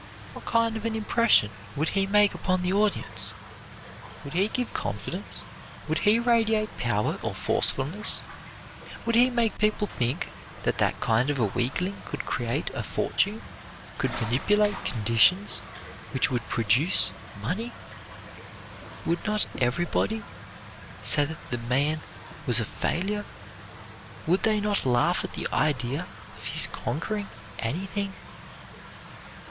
What kind of an impression would he make upon the audience? Would he give confidence, would he radiate power or forcefulness, would he make people think that that kind of a weakling could create a fortune, could manipulate conditions which would produce money? Would not everybody say that the man was a failure? Would they not laugh at the idea of his conquering anything?